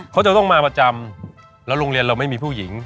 เขาจะต้องมาประจำแล้วโรงเรียนเราไม่มีผู้หญิง